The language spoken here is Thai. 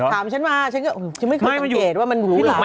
ถามฉันมาฉันก็ไม่เคยสังเกตว่ามันรู้หรอก